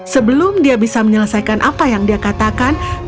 sebelum dia bisa menyelesaikan apa yang dia katakan